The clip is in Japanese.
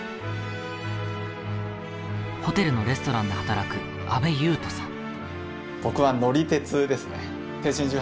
ホテルのレストランで働く安部優斗さん。